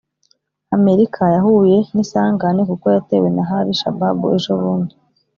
Amerika yahuye nisangane kuko yatewe na hali shababu ejo bundi